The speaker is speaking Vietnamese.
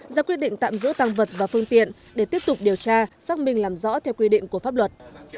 ra quyết định tạm giữ tăng vật và phương tiện để tiếp tục điều tra xác minh làm rõ theo quy định của pháp luật